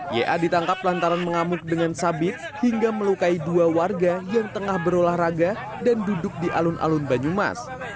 ya ditangkap lantaran mengamuk dengan sabit hingga melukai dua warga yang tengah berolahraga dan duduk di alun alun banyumas